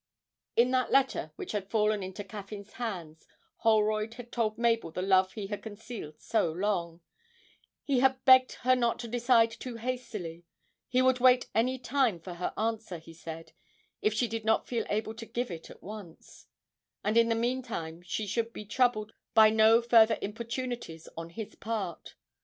In that letter which had fallen into Caffyn's hands Holroyd had told Mabel the love he had concealed so long; he had begged her not to decide too hastily; he would wait any time for her answer, he said, if she did not feel able to give it at once; and in the meantime she should be troubled by no further importunities on his part.